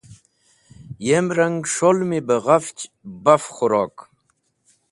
Yem rang, s̃holmi be ghafch baf khũrok.